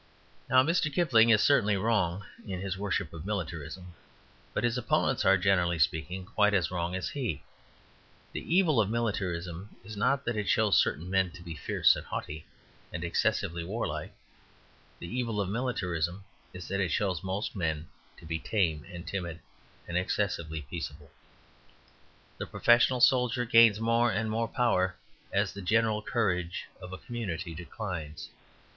Now, Mr. Kipling is certainly wrong in his worship of militarism, but his opponents are, generally speaking, quite as wrong as he. The evil of militarism is not that it shows certain men to be fierce and haughty and excessively warlike. The evil of militarism is that it shows most men to be tame and timid and excessively peaceable. The professional soldier gains more and more power as the general courage of a community declines.